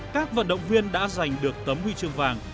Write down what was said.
các vận động viên đã giành được tấm huy chương vàng